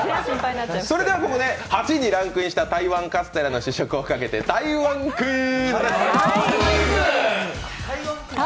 それではここで、８位にランクインした台湾カステラの試食をかけて台湾クイズ。